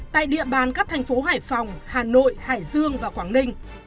tại địa bàn các thành phố hải phòng hà nội hải dương và quảng ninh